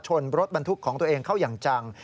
รถบรรทุกของตัวเองเข้าอย่างจัง